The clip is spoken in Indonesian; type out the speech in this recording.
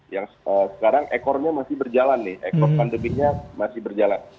yang sekarang ekornya masih berjalan nih ekor pandeminya masih berjalan